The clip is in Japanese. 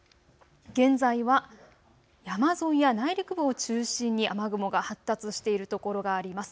現在は山沿いや内陸部を中心に雨雲が発達しているところがあります。